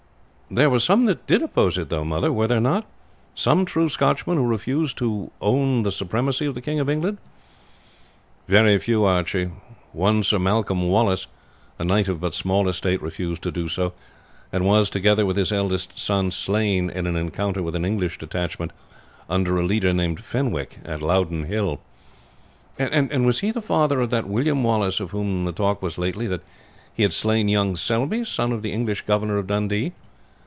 "There were some that did oppose it, mother, were there not? some true Scotchmen who refused to own the supremacy of the King of England?" "Very few, Archie. One Sir Malcolm Wallace, a knight of but small estate, refused to do so, and was, together with his eldest son, slain in an encounter with an English detachment under a leader named Fenwick at Loudon Hill." "And was he the father of that William Wallace of whom the talk was lately that he had slain young Selbye, son of the English governor of Dundee?"